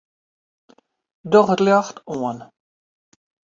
Doch it ljocht oan.